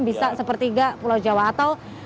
bisa sepertiga pulau jawa atau